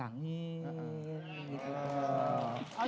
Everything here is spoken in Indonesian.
tangan saya dipegangi